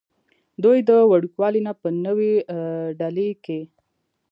دوي د وړوکوالي نه پۀ نوي ډيلي کښې